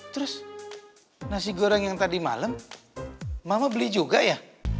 terus nasi goreng yang tadi malam mama beli juga ya